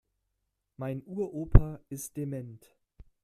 Mein Uropa ist dement.